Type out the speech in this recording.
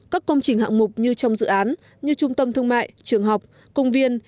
các công trình hạng mục như trong dự án như trung tâm thương mại trường học công viên